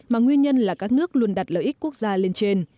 mà nguyên nhân là các nước luôn đặt lợi ích quốc gia lên trên